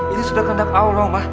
ini sudah kendak allah ma